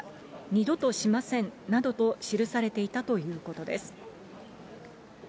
二度としませんなどと記されていたということです。